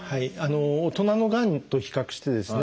大人のがんと比較してですね